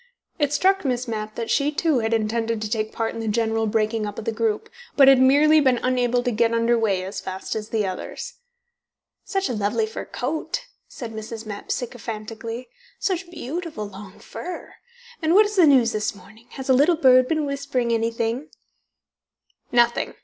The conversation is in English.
It struck Miss Mapp that she, too, had intended to take part in the general breaking up of the group, but had merely been unable to get under way as fast as the others. "Such a lovely fur coat," said Mrs. Mapp sycophantically. "Such beautiful long fur! And what is the news this morning? Has a little bird been whispering anything?"